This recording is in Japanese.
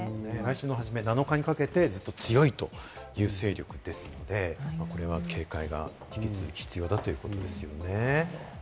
来週７日にかけて強いという勢力ですので、これは警戒が引き続き必要だということですよね。